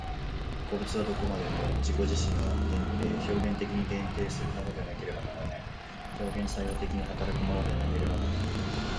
個物とはどこまでも自己自身を表現的に限定するものでなければならない、表現作用的に働くものでなければならない。